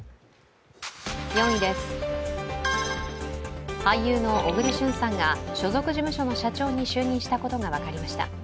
４位です、俳優の小栗旬さんが所属事務所の社長に就任したことが分かりました。